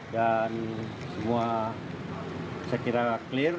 dan semua saya kira clear